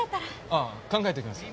ああ考えておきます。